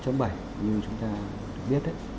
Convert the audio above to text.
như chúng ta biết đấy